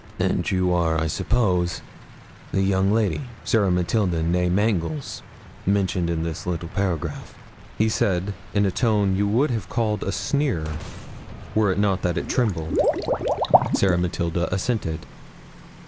'And you are, I suppose, the young lady, Sarah Matilda née Mangles, mentioned in this little paragraph?' he said, in a tone you would have called a sneer, were it not that it trembled. Sarah Matilda assented.